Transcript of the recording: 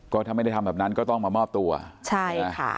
ก็ถ้าไม่ได้ทำแบบนั้นก็ต้องมามอบตัวใช่ค่ะ